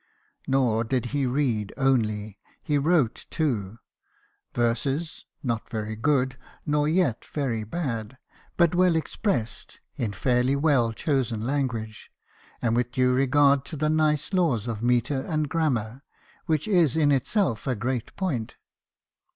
Nor did he read only ; he wrote too verses, not very good, nor yet very bad, but well expressed, in fairly well chosen language, and witli due regard to the nice laws of metre and of grammar, which is in itself a great point.